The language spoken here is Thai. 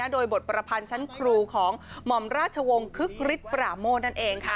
โดยบทประพันธ์ชั้นครูของหม่อมราชวงศ์คึกฤทธิปราโมทนั่นเองค่ะ